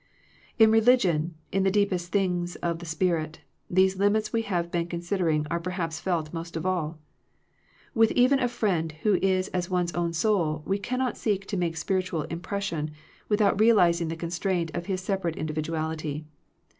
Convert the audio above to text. In religion, in the deepest things of the spirit, these limits we have been consid ering are perhaps felt most of all. With even a friend who is as one's own soul, we cannot seek to make a spiritual im pression, without realizing the constraint of his separate individuality.